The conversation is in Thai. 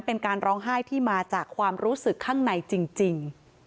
เป็นการร้องไห้ที่มาจากความรู้สึกข้างในจริง